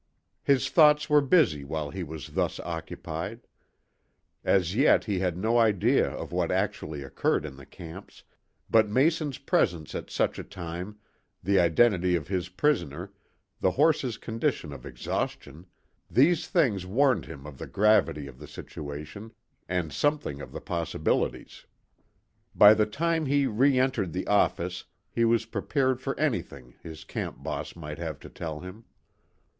His thoughts were busy while he was thus occupied. As yet he had no idea of what had actually occurred in the camps, but Mason's presence at such a time, the identity of his prisoner, the horses' condition of exhaustion; these things warned him of the gravity of the situation, and something of the possibilities. By the time he reëntered the office he was prepared for anything his "camp boss" might have to tell him.